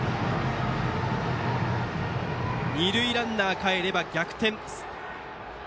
二塁ランナーがかえれば逆転。